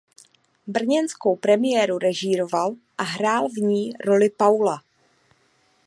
Brněnskou premiéru režíroval a hrál v ní roli Paula.